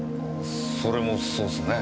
それもそうっすね。